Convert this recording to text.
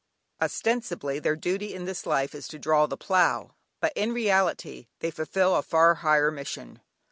Ostensibly, their duty in this life is to draw the plough, but in reality they fulfil a far higher mission.